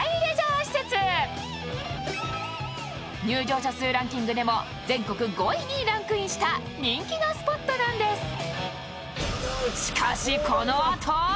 入場者数ランキングでも全国５位にランクインした人気のスポットなんです。